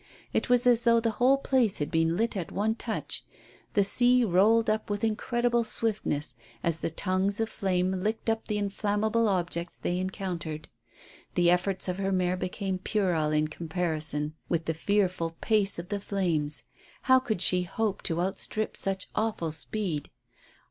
It was as though the whole place had been lit at one touch. The sea rolled on with incredible swiftness, as the tongues of flame licked up the inflammable objects they encountered. The efforts of her mare became puerile in comparison with the fearful pace of the flames. How could she hope to outstrip such awful speed?